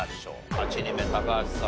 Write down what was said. ８人目高橋さん